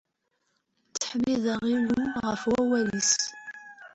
Ttḥemmideɣ Illu ɣef wawal-is.